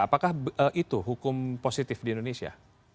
apakah itu hukum positif di indonesia